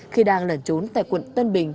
khi đang lẩn trốn tại quận tân bình